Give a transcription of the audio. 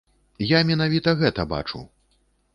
Я менавіта гэта бачу.